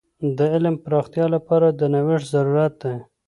د علم د پراختیا لپاره د نوښت ضرورت دی.